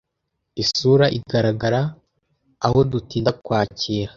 Isura igaragara, aho dutinda, kwakira